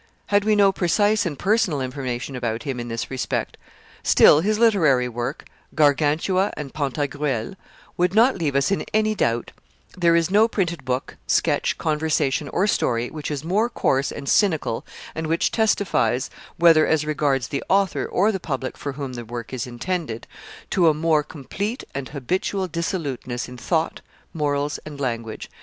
Had we no precise and personal information about him in this respect, still his literary work, Gargantua and Pantagruel, would not leave us in any doubt: there is no printed book, sketch, conversation, or story, which is more coarse and cynical, and which testifies, whether as regards the author or the public for whom the work is intended, to a more complete and habitual dissoluteness in thought, morals, and language.